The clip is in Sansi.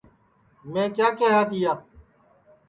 میں کیا کیہیا تیا